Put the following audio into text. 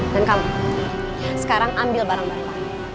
dan kamu sekarang ambil barang barang